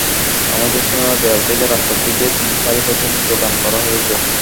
আমাদের সীমানা দেয়াল থেকে রাস্তার দিকে তিন সারি পর্যন্ত দোকান করা হয়েছে।